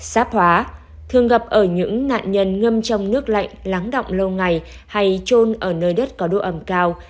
sáp hóa thường gặp ở những nạn nhân ngâm trong nước lạnh lắng động lâu ngày hay trôn ở nơi đất có độ ẩm cao